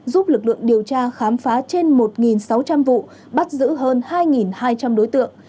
giúp lực lượng điều tra khám phá trên một sáu trăm linh vụ bắt giữ hơn hai hai trăm linh đối tượng